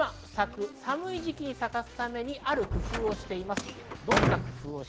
今咲く、寒い時期に咲かせるためにある工夫をしています。